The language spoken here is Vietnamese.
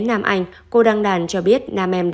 nam anh cô đăng đàn cho biết nam em